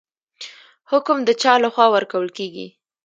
حکم د چا لخوا ورکول کیږي؟